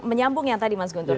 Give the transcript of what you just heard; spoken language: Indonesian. menyambung yang tadi mas guntur